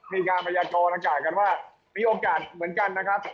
มีการพยากรอากาศกันว่ามีโอกาสเหมือนกันนะครับ